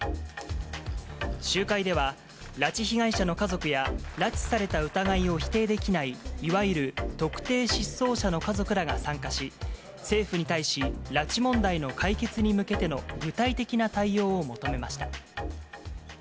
集会では、拉致被害者の家族や拉致された疑いを否定できない、いわゆる特定失踪者の家族らが参加し、政府に対し、拉致問題の解決に向けての具体的な対応を求めました。